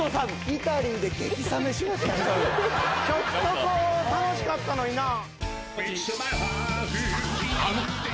ひょっとこ楽しかったのにな。